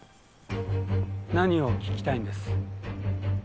何を聞きたいんです？